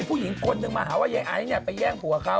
ผู้หญิงคนหนึ่งมหาว่าเองไอ้เนี่ยไปแย่งผู้หรือเขา